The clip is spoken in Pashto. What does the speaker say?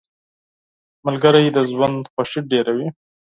• ملګري د ژوند خوښي ډېروي.